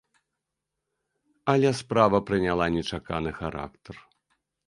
Але справа прыняла нечаканы характар.